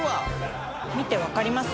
見て分かります？